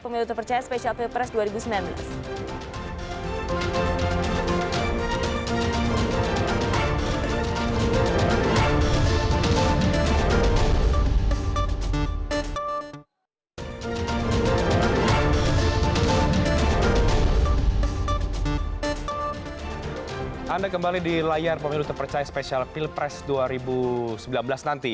tetap bersama kami di layar pemilu terpercaya special press dua ribu sembilan belas